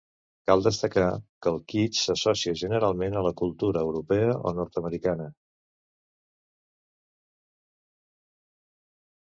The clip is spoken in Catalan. Cal destacar, que el kitsch s'associa generalment a la Cultura Europea o nord-americana.